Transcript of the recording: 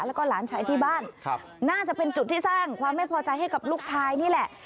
แล้วก็หลานชายที่บ้านน่าจะเป็นจุดที่สร้างความไม่พอใจให้กับลูกชายนี่แหละ